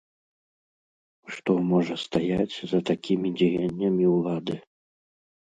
Што можа стаяць за такімі дзеяннямі ўлады?